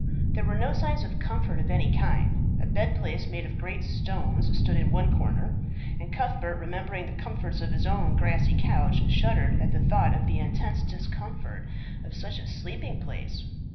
There were no signs of comfort of any kind; a bed place made of great stones stood in one corner, and Cuthbert, remembering the comforts of his own grassy couch, shuddered at the thought of the intense discomfort of such a sleeping place.